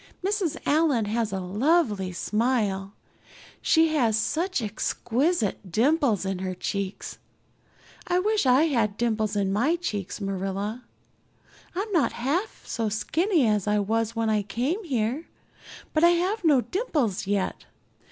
Mrs. Allan has a lovely smile; she has such exquisite dimples in her cheeks. I wish I had dimples in my cheeks, Marilla. I'm not half so skinny as I was when I came here, but I have no dimples yet.